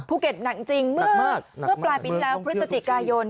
ภูเก็ตหนักจริงเมื่อปลายปีที่แล้วพฤศจิกายน